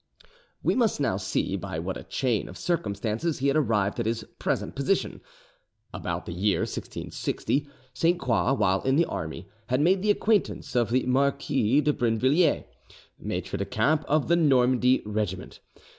We must now see by what a chain of circumstances he had arrived at his present position. About the year 1660, Sainte Croix, while in the army, had made the acquaintance of the Marquis de Brinvilliers, maitre de camp of the Normandy regiment.